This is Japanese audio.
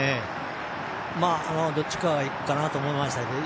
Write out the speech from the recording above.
どっちかはいくかなと思いましたけど